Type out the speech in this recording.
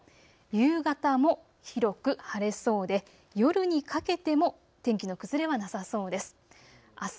夕方も広く晴れそうで、夜にかけても天気の崩れはなさそうです。